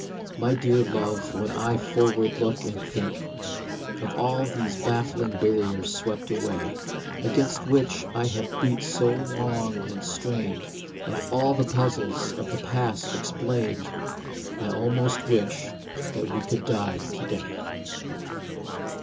My dear Love, when I forward look, and think Of all these baffling barriers swept away, Against which I have beat so long and strained, Of all the puzzles of the past explained, I almost wish that we could die to day.